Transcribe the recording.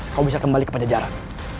kau bisa kembali ke pajajaran